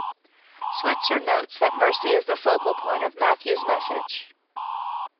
Schweizer notes that mercy is the focal point of Matthew's message.